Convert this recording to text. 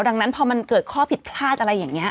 ดังนั้นพอมันเกิดข้อผิดพลาดอะไรอย่างนี้